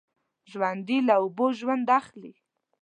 ژوندي له اوبو ژوند اخلي